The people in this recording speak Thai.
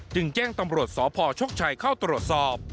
จึงแจ้งตำรวจสพชกชัยเข้าตรวจสอบ